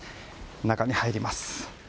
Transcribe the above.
中に入ります。